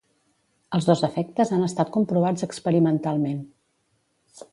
Els dos efectes han estat comprovats experimentalment.